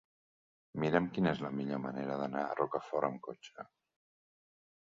Mira'm quina és la millor manera d'anar a Rocafort amb cotxe.